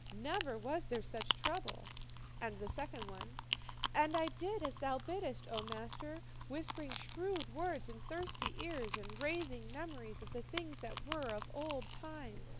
Never was there such a trouble.' "And the second one: 'And I did as thou biddest, O master, whispering shrewd words in thirsty ears, and raising memories of the things that were of old time.